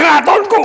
ini adalah ratunku